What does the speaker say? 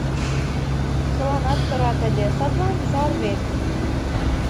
— Чыланат кырат ыле, садлан сар вет.